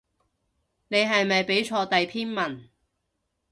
你係咪畀錯第篇文